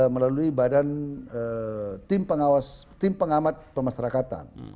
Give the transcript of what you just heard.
melalui badan tim pengawas tim pengamat pemasarakatan